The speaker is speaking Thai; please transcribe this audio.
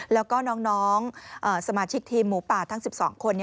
แล้วก็น้องสมาชิกทีมหมูป่าทั้ง๑๒คน